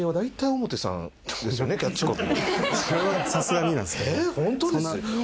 それはさすがになんすけど。